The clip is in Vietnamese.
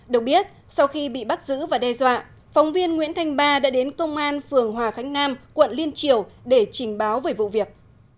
được biết sau khi bị bắt giữ và đe dọa phóng viên nguyễn thanh ba đã đến công an phường hòa khánh nam quận liên triều để trình báo về vụ việc